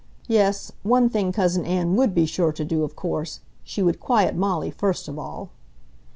Yes, one thing Cousin Ann would be sure to do, of course; she would quiet Molly first of all.